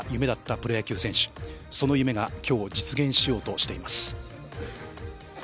プロ野球選手、その夢が今日、実現しようとしています。